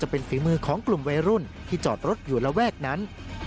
เป็นฝีมือของกลุ่มวัยรุ่นที่จอดรถอยู่ระแวกนั้น